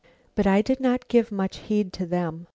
But I did not give much heed to them.